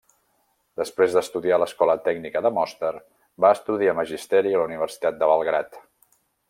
Després d'estudiar a l'Escola Tècnica de Mostar va estudiar magisteri a la Universitat de Belgrad.